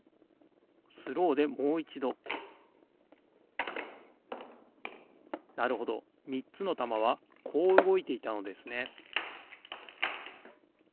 スローでもういちどなるほどみっつのたまはこううごいていたのですね